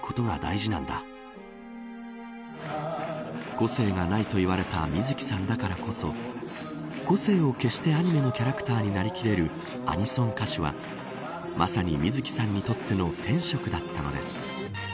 個性がないと言われた水木さんだからこそ個性を消してアニメのキャラクターになりきれるアニソン歌手は、まさに水木さんにとっての天職だったのです。